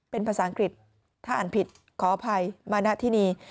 เป็นภาษาอังกฤษถ้าอ่านผิดขออภัยมานะที่นี่